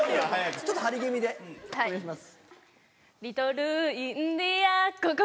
ちょっと張り気味でお願いします。